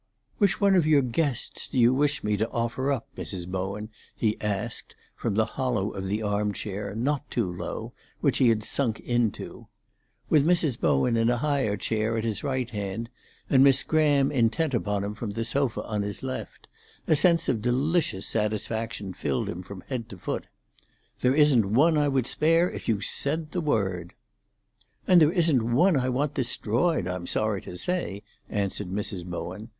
"Which one of your guests do you wish me to offer up, Mrs. Bowen?" he asked, from the hollow of the arm chair, not too low, which he had sunk into. With Mrs. Bowen in a higher chair at his right hand, and Miss Graham intent upon him from the sofa on his left, a sense of delicious satisfaction filled him from head to foot. "There isn't one I would spare if you said the word." "And there isn't one I want destroyed, I'm sorry to say," answered Mrs. Bowen.